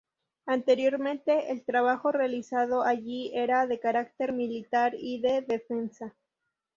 Anteriormente, el trabajo realizado allí era de carácter militar y de defensa.